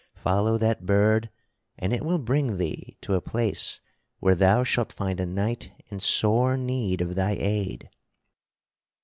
Follow that bird and it will bring thee to a place where thou shalt find a knight in sore need of thy aid."